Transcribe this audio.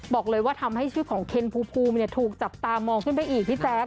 บอกเลยว่าทำให้ชื่อของเคนภูมิถูกจับตามองขึ้นไปอีกพี่แจ๊ค